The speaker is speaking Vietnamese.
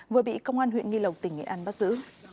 vừa bị công an huyện nghi lộc tỉnh nghệ an bắt giữ